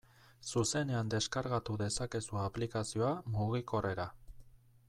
Zuzenean deskargatu dezakezu aplikazioa mugikorrera.